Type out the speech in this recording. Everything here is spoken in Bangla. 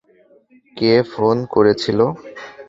কে ফোন করেছিল?